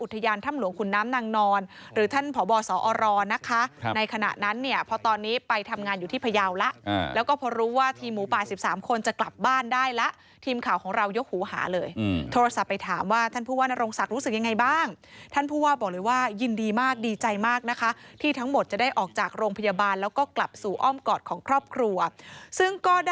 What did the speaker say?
ถ้ำหลวงขุนน้ำนางนอนหรือท่านพบสอรนะคะในขณะนั้นเนี่ยพอตอนนี้ไปทำงานอยู่ที่พยาวแล้วแล้วก็พอรู้ว่าทีมหมูป่า๑๓คนจะกลับบ้านได้แล้วทีมข่าวของเรายกหูหาเลยโทรศัพท์ไปถามว่าท่านผู้ว่านโรงศักดิ์รู้สึกยังไงบ้างท่านผู้ว่าบอกเลยว่ายินดีมากดีใจมากนะคะที่ทั้งหมดจะได้ออกจากโรงพยาบาลแล้วก็กลับสู่อ้อมกอดของครอบครัวซึ่งก็ได้